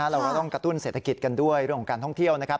เราก็ต้องกระตุ้นเศรษฐกิจกันด้วยเรื่องของการท่องเที่ยวนะครับ